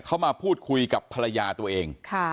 เขามาพูดคุยกับภรรยาตัวเอง